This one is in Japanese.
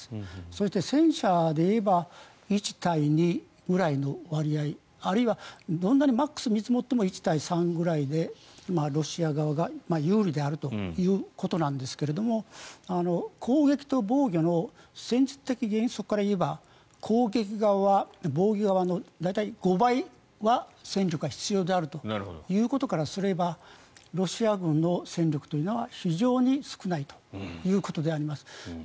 そして、戦車でいえば１対２ぐらいの割合あるいはどんなにマックス見積もっても１対３ぐらいでロシア側が有利であるということなんですけども攻撃と防御の戦術的原則から言えば攻撃側は防御側の大体５倍は戦力は必要であるということからすればロシア軍の戦力というのは非常に少ないということであります。